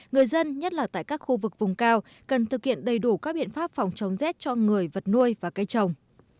người dân nhất là tại các khu vực vùng cao cần thực hiện đầy đủ các biện pháp phòng chống rét cho người vật nuôi và cây trồng